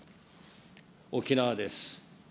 沖縄です。